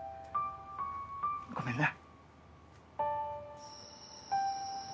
ごめんな。